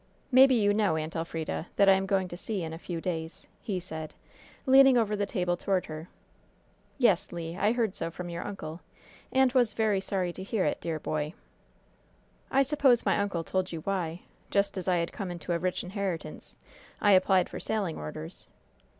"Maybe you know, Aunt Elfrida, that I am going to sea in a few days," he said, leaning over the table toward her. "Yes, Le, I heard so from your uncle, and was very sorry to hear it, dear boy." "I suppose my uncle told you why just as I had come into a rich inheritance I applied for sailing orders?"